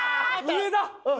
上だ。